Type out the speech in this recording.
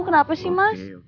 kenapa sih mas